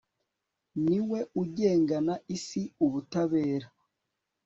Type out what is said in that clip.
ni we ugengana isi ubutabera